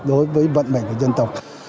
đối với vận mệnh của dân tộc